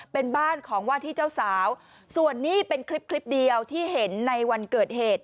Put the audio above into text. เป็นบ้านของว่าที่เจ้าสาวส่วนนี้เป็นคลิปคลิปเดียวที่เห็นในวันเกิดเหตุ